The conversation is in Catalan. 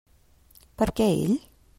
Per què ell?